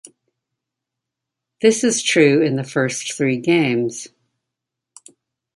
This is true in the first three games.